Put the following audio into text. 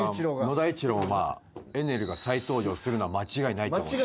野田栄一郎もエネルが再登場するのは間違いないと思います。